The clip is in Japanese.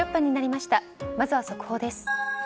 まずは速報です。